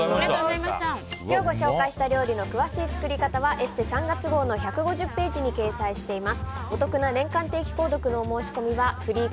今日ご紹介した料理の詳しい作り方は「ＥＳＳＥ」３月号の１５０ページに掲載しています。